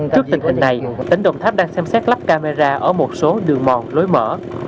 trước tình hình này tỉnh đồng tháp đang xem xét lắp camera ở một số đường mòn lối mở